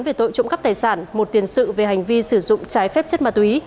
về tội trộm cắp tài sản một tiền sự về hành vi sử dụng trái phép chất ma túy